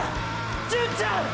純ちゃん！！